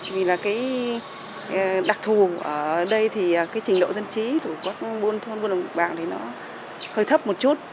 vì là cái đặc thù ở đây thì cái trình độ dân trí của các buôn thôn buôn đồng bào thì nó hơi thấp một chút